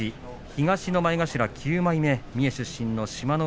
東の前頭９枚目三重出身の志摩ノ